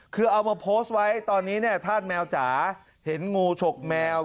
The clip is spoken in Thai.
คือเอามาโพสต์ไว้ตอนนี้เนี่ยธาตุแมวจ๋าเห็นงูฉกแมว